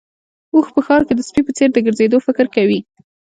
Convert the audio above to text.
اوښ په ښار کې د سپي په څېر د ګرځېدو فکر کوي.